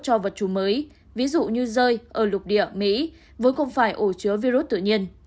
cho vật chú mới ví dụ như rơi ở lục địa mỹ với không phải ổ chứa virus tự nhiên